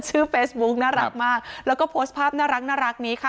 เฟซบุ๊กน่ารักมากแล้วก็โพสต์ภาพน่ารักนี้ค่ะ